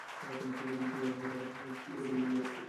শেষ বাঁশি বাজার কয়েক মুহূর্ত আগে ম্যাচের তৃতীয় গোলটি করেন ইয়া তোরে।